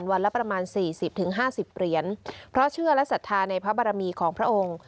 วันละประมาณสี่สิบถึงห้าสิบเหรียญเพราะเชื่อและศรัทธาในพระบรมีของพระองค์